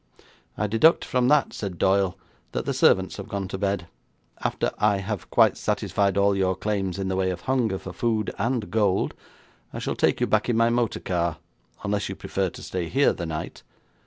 'I deduct from that,' said Doyle, 'that the servants have gone to bed. After I have quite satisfied all your claims in the way of hunger for food and gold, I shall take you back in my motor car, unless you prefer to stay here the night.'